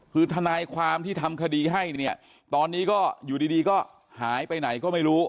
คือทนายความที่ทำคดีให้เนี่ยตอนนี้ก็อยู่ดีก็หายไปไหนก็ไม่รู้